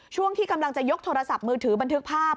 ช่วงที่กำลังจะยกโทรศัพท์มือถือบันทึกภาพ